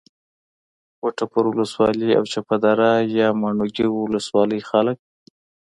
وټپور ولسوالي او چپه دره یا ماڼوګي ولسوالۍ خلک